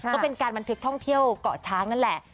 ก็เป็นการบันทึกท่องเที่ยวเกาะช้างนั่นแหละ